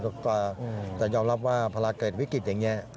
ครับแต่ยอมรับว่าพลาดเกิดวิกฤติอย่างนี้